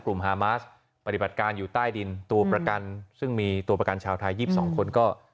ฮามาสปฏิบัติการอยู่ใต้ดินตัวประกันซึ่งมีตัวประกันชาวไทย๒๒คนก็